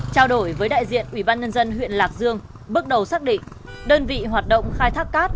trao đổi với đại diện ubnd huyện lạc dương bước đầu xác định đơn vị hoạt động khai thác cát